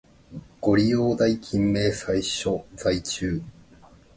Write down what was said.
ご利用代金明細書在中